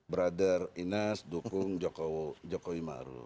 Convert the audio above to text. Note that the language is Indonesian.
brother ines dukung jokowi maru